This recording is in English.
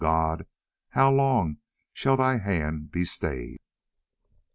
God, how long shall thy Hand be stayed?"